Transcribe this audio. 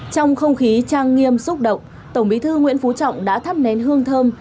trong không khí trang nghiêm xúc động tổng bí thư nguyễn phú trọng đã thắp nén hương thơm